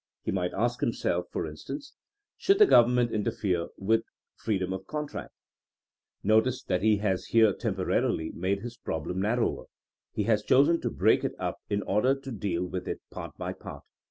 He might ask himself, for instance, Should the Government interfere with freedom of contract?'' Notice that he has 46 THINEINO AS A SCIENCE here temporarily made his problem narrower, he has chosen to break it up in order to deal with it part by part.